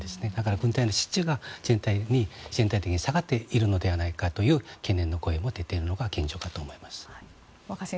軍隊の支持が全体的に下がっているのではないかという懸念の声も出ているのが現状だと思います。